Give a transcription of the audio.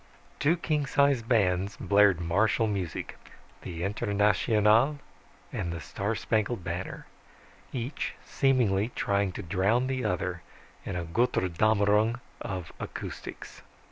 _ Two king sized bands blared martial music, the "Internationale" and the "Star Spangled Banner," each seemingly trying to drown the other in a Götterdämmerung of acoustics.